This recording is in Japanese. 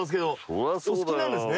お好きなんですね。